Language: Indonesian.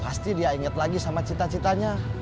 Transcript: pasti dia ingat lagi sama cita citanya